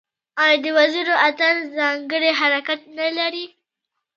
آیا د وزیرو اتن ځانګړی حرکت نلري؟